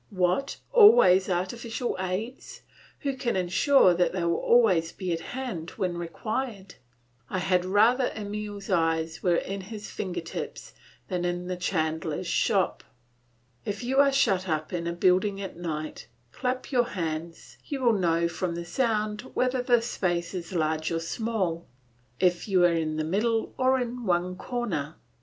What always artificial aids. Who can insure that they will always be at hand when required. I had rather Emil's eyes were in his finger tips, than in the chandler's shop. If you are shut up in a building at night, clap your hands, you will know from the sound whether the space is large or small, if you are in the middle or in one corner.